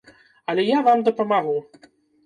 Але я вам дапамагу.